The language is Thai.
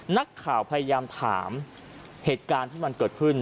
นักข่าวพยายามถามเหตุการณ์ที่มันเกิดขึ้น